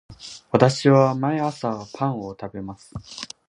私は毎朝パンを食べます